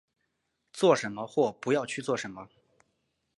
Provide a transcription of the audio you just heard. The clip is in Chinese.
做什么或不要去做什么